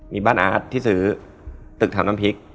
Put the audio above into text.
มีบ้านอาร์ตที่ซื้อตึกทำน้ำพริก